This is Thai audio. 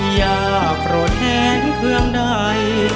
ยากโปรดแทนเครื่องใด